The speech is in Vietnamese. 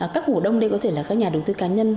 các cổ đông đây có thể là các nhà đầu tư cá nhân